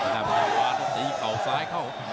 น้ำเงินขวาทุกทีเข้าซ้ายเข้า